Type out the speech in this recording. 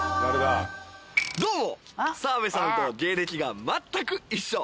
どうも澤部さんとは芸歴がまったく一緒。